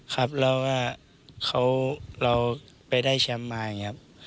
ครับแล้วก็เราไปได้แชมป์มาอย่างนี้ครับ